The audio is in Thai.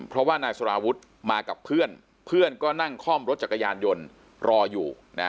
เพราะว่านายสารวุฒิมากับเพื่อนเพื่อนก็นั่งคล่อมรถจักรยานยนต์รออยู่นะ